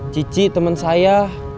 cici temen saya